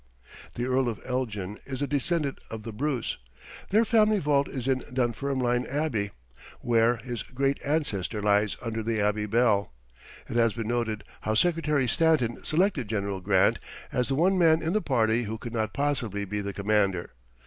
The Earl of Elgin is the descendant of The Bruce. Their family vault is in Dunfermline Abbey, where his great ancestor lies under the Abbey bell. It has been noted how Secretary Stanton selected General Grant as the one man in the party who could not possibly be the commander.